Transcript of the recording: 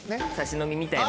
みたいな。